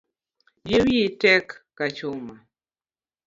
Yie wiyi tek ka chuma